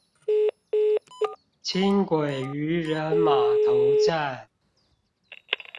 輕軌漁人碼頭站